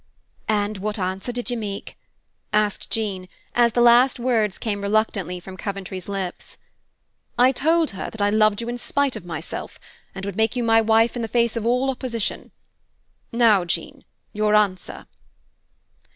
'" "And what answer did you make?" asked Jean, as the last words came reluctantly from Coventry's lips. "I told her that I loved you in spite of myself, and would make you my wife in the face of all opposition. Now, Jean, your answer."